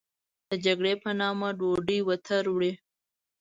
د جګړې په نامه ډوډۍ و تروړي.